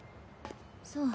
そう。